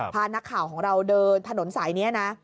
พานักข่าวของเราเดินถนนสายนี้นะ